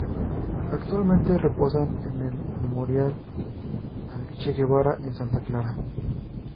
Actualmente reposan en el Memorial al Che Guevara en Santa Clara.